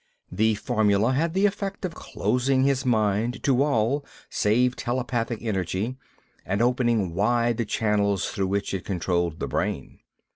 The formula had the effect of closing his mind to all save telepathic energy, and opening wide the channels through which it controlled the brain.